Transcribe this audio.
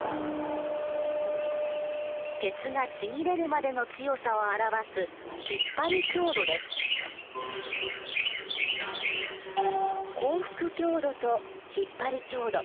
鉄がちぎれるまでの強さを表す降伏強度と引っ張り強度。